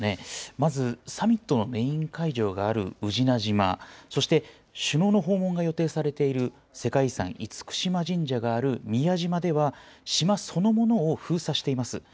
まず、サミットのメイン会場がある宇品島、そして首脳の訪問が予定されている世界遺産、厳島神社がある宮島では、島そのものを封鎖しています。